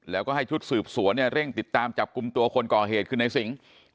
แล้วก็ให้ชุดสืบสวนเนี่ยเร่งติดตามจับกลุ่มตัวคนก่อเหตุคือในสิง